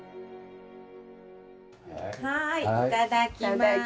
はいいただきます！